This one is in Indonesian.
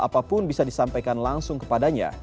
apapun bisa disampaikan langsung kepadanya